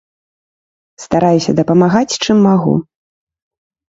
Стараюся дапамагаць, чым магу.